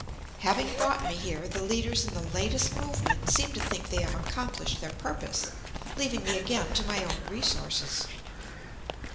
Having brought me here, the leaders in the latest movement seem to think they have accomplished their purpose, leaving me again to my own resources.